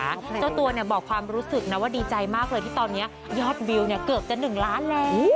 เจ้าตัวบอกความรู้สึกนะว่าดีใจมากเลยที่ตอนนี้ยอดวิวเนี่ยเกือบจะ๑ล้านแล้ว